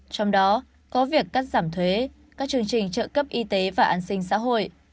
trong đó có việc cắt giảm thuế các chương trình trợ cấp y tế và an sinh xã hội